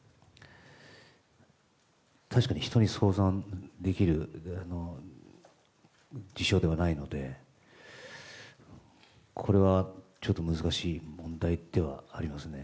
確かに人に相談できる事象ではないのでこれはちょっと難しい問題ではありますね。